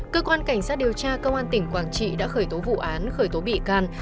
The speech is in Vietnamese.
cơ quan cảnh sát điều tra công an tỉnh quảng trị đã khởi tố vụ án khởi tố bị can